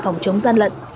và phòng chống gian lận